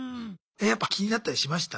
やっぱ気になったりしました？